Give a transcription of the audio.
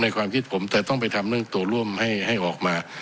ความคิดผมแต่ต้องไปทำเรื่องตัวร่วมให้ออกมา